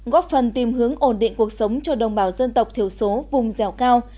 góp phần tìm hướng ổn định cuộc sống cho đồng bào dân tộc thiểu số vùng dẻo cao